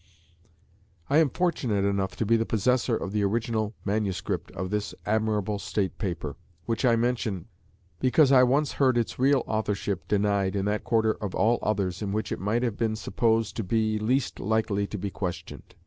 I am fortunate enough to be the possessor of the original MS. of this admirable state paper, which I mention, because I once heard its real authorship denied in that quarter of all others in which it might have been supposed to be least likely to be questioned.